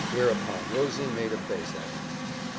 Whereupon Rosie made a face at him.